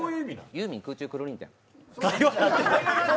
ユーミン空中、くるりんけん。